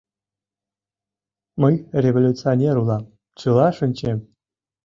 Мый революционер улам, чыла шинчем.